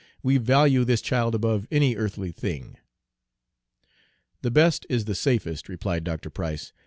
We value this child above any earthly thing." "The best is the safest," replied Dr. Price.